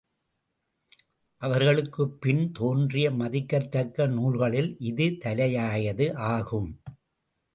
அவர்களுக்குப் பின் தோன்றிய மதிக்கத்தக்க நூல்களுள் இது தலையாயது ஆகும்.